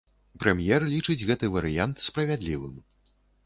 Прэм'ер лічыць гэты варыянт справядлівым.